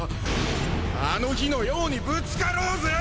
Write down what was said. あの日のようにぶつかろうぜぇ！